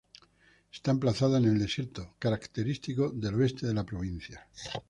Está emplazada en el desierto característico del oeste de la provincia.